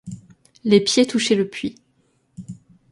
Les pieds touchaient le puits.